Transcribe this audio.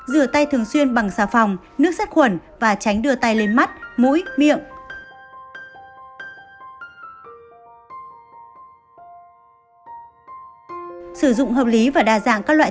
rửa tay thường xuyên bằng xà phòng nước sắc nước sắc nước sắc nước sắc nước sắc nước sắc nước sắc